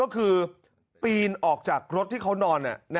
ก็คือปีนออกจากรถที่เขานอน